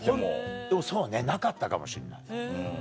そうねなかったかもしんない。